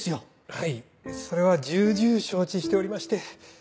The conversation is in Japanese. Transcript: はいそれは重々承知しておりまして。